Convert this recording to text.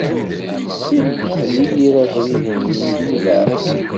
Iṭṭef di yir abrid nni i yetbeɛ.